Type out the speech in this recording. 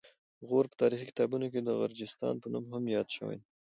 غور په تاریخي کتابونو کې د غرجستان په نوم هم یاد شوی دی